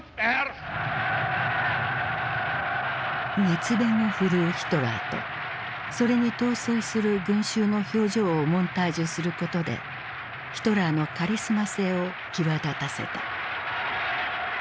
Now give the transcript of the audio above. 熱弁をふるうヒトラーとそれに陶酔する群衆の表情をモンタージュすることでヒトラーのカリスマ性を際立たせた。